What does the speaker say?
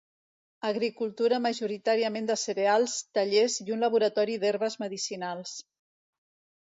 Agricultura majoritàriament de cereals, tallers i un laboratori d'herbes medicinals.